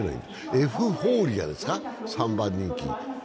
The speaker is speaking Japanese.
エフフォーリアですか、３番人気。